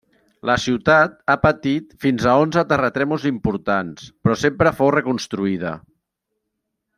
La ciutat ha patit fins a onze terratrèmols importants però sempre fou reconstruïda.